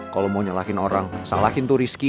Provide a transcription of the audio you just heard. kalo mau nyalahin orang salahin tuh rizky